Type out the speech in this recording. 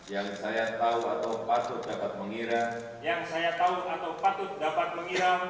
yang saya tahu atau patut dapat mengira